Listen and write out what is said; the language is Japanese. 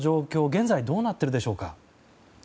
現在はどうなっているでしょうか？